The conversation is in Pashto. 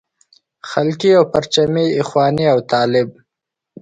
خلقي او پرچمي اخواني او طالب.